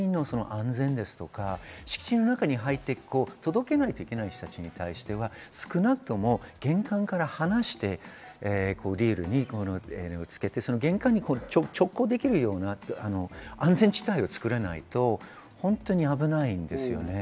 宅配便とか、その配達員の安全とか、敷地の中に入って、届けないといけない人たちに対しては少なくとも玄関から離してリードにつけて、玄関に直行できるような安全地帯を作らないと本当に危ないです。